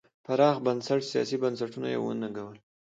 پراخ بنسټه سیاسي بنسټونه یې وزېږول.